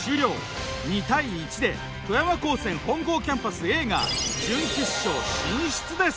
２対１で富山高専本郷キャンパスＡが準決勝進出です。